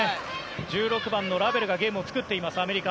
１６番のラベルがゲームを作っていますアメリカ。